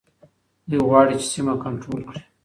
دوی غواړي چي سیمه کنټرول کړي.